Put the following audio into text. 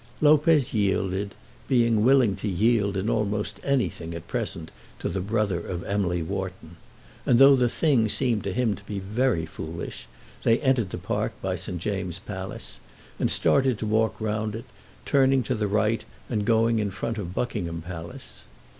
Lopez yielded, being willing to yield in almost anything at present to the brother of Emily Wharton; and, though the thing seemed to him to be very foolish, they entered the park by St. James's Palace, and started to walk round it, turning to the right and going in front of Buckingham Palace.